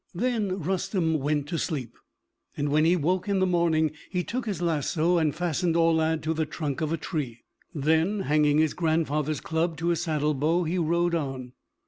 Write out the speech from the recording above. Then Rustem went to sleep; and when he woke in the morning he took his lasso and fastened Aulad to the trunk of a tree. Then hanging his grandfather's club to his saddlebow, he rode on.